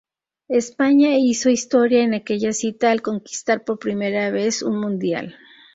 España hizo historia en aquella cita al conquistar por primera vez un Mundial.